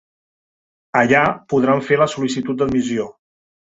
Allà podran fer la sol·licitud d'admissió.